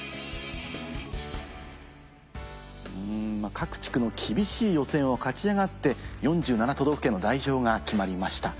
各地区の厳しい予選を勝ち上がって４７都道府県の代表が決まりました。